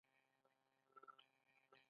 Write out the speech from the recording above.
ګیلاس د ماشومتوب خاطره ده.